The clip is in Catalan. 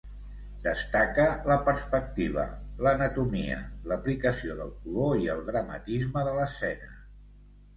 Destaca la perspectiva, l'anatomia, l'aplicació del color i el dramatisme de l'escena.